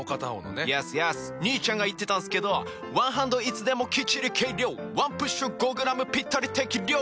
兄ちゃんが言ってたんすけど「ワンハンドいつでもきっちり計量」「ワンプッシュ５ｇぴったり適量！」